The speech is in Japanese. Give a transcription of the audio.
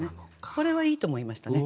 これはいいと思いましたね。